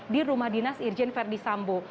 di rumah dinas irjen verdi sambo